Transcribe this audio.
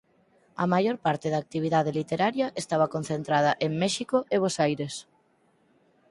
A maior parte da actividade literaria estaba concentrada en México e Bos Aires.